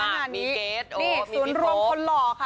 มีมากมีเกรดโอ้มีพี่โป๊ป